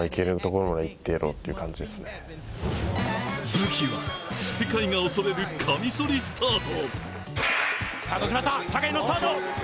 武器は世界が恐れるカミソリスタート。